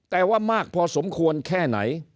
แต่ว่ามากพอสมควรแค่ไหน